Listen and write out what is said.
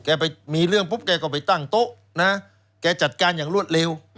ไปมีเรื่องปุ๊บแกก็ไปตั้งโต๊ะนะแกจัดการอย่างรวดเร็ว